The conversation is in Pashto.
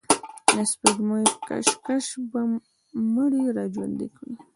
د سپوږمیو کشش به مړي را ژوندي کړي.